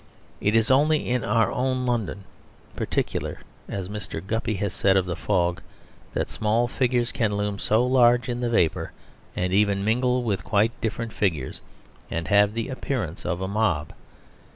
It is only in our own London Particular (as Mr. Guppy said of the fog) that small figures can loom so large in the vapour, and even mingle with quite different figures, and have the appearance of a mob.